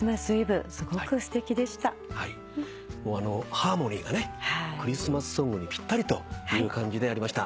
ハーモニーがクリスマスソングにぴったりという感じでありました。